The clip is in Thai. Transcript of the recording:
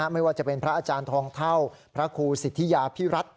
ไม่ว่าจะเป็นพระอาจารย์ทองเท่าพระครูสิทธิยาพิรัตน